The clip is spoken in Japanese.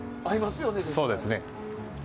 そうですね。